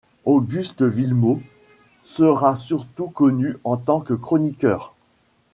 Auguste Villemot sera surtout connu en tant que chroniqueur.